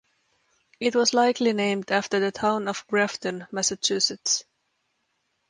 It was likely named after the town of Grafton, Massachusetts.